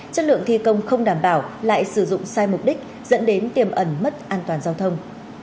chất lượng thi công không đảm bảo lại sử dụng sai mục đích dẫn đến tiềm ẩn mất an toàn giao thông